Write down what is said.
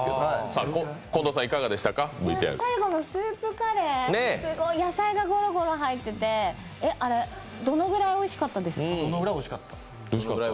最後のスープカレー、すごい野菜がゴロゴロ入っててあれ、どのぐらいおいしかったですか？